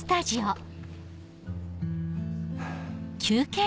ハァ。